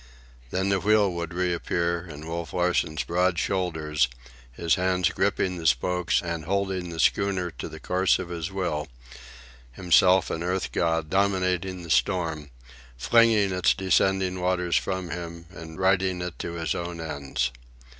And then the wheel would reappear, and Wolf Larsen's broad shoulders, his hands gripping the spokes and holding the schooner to the course of his will, himself an earth god, dominating the storm, flinging its descending waters from him and riding it to his own ends.